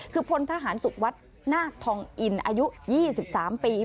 คือพลทหารสุวัสดิ์นาคทองอินอายุ๒๓ปี